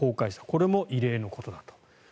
これも異例のことだと。